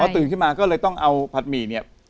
ตื่นขึ้นมาก็เลยต้องเอาผัดหมี่เนี่ย